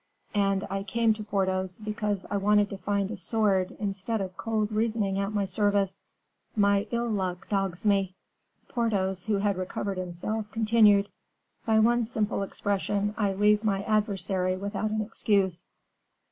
And I came to Porthos because I wanted to find a sword instead of cold reasoning at my service. My ill luck dogs me." Porthos, who had recovered himself, continued: "By one simple expression, I leave my adversary without an excuse."